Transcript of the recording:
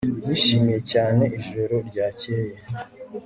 Nishimiye cyane ijoro ryakeye